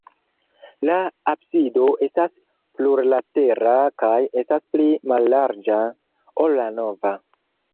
La absido estas plurlatera kaj estas pli mallarĝa, ol la navo.